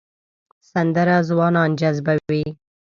سندره ځوانان جذبوي